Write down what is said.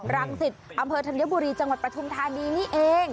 รังสิตอำเภอธัญบุรีจังหวัดปฐุมธานีนี่เอง